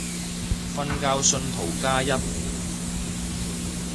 瞓覺信徒加一